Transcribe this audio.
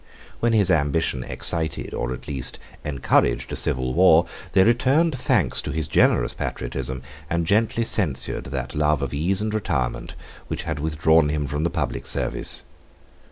When his ambition excited, or at least encouraged, a civil war, they returned thanks to his generous patriotism, and gently censured that love of ease and retirement which had withdrawn him from the public service.